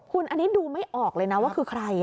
คุณอันนี้ดูไม่ออกเลยนะว่าคือใคร